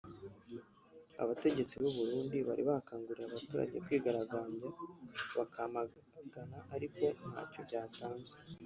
Abategetsi b’u Burundi bari bakanguriye abaturage kwigaragambya bacyamagana ariko ntacyo byatanze